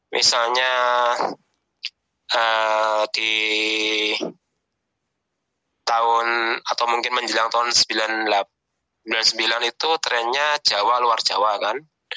misalnya di tahun atau mungkin menjelang tahun seribu sembilan ratus sembilan puluh sembilan itu trennya jawa luar jawa kan